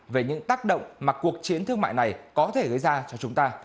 về những tác động mà cuộc chiến thương mại này có thể gây ra cho chúng ta